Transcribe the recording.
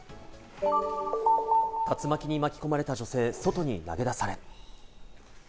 竜巻に巻き込まれた女性、外に投げ出され。